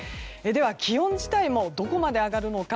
気温自体もどこまで上がるのか